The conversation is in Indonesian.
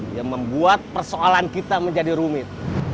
yang membuat persoalan kita menjadi rumit